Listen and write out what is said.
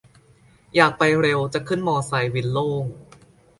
อยากไปเร็ว จะขึ้นมอไซค์ วินโล่ง